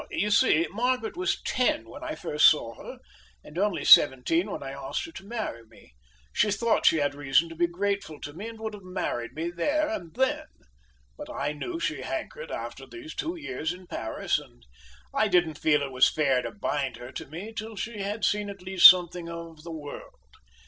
"You see, Margaret was ten when I first saw her, and only seventeen when I asked her to marry me. She thought she had reason to be grateful to me and would have married me there and then. But I knew she hankered after these two years in Paris, and I didn't feel it was fair to bind her to me till she had seen at least something of the world.